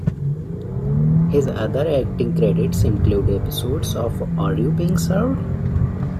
His other acting credits include episodes of Are You Being Served?